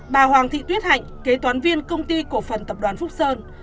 bà hoàng thị tuyết hạnh kế toán viên công ty cổ phần tập đoàn phúc sơn